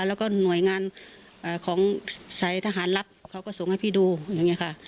แล้วก็หน่วยงานของสายทหารรับเขาก็ส่งให้พี่ดูอย่างนี้ค่ะ